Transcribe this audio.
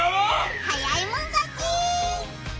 早いもんがち！